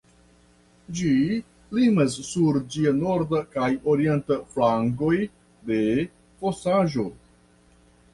Ĝi limas sur ĝia norda kaj orienta flankoj de fosaĵo.